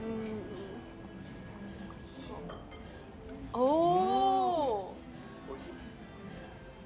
おお！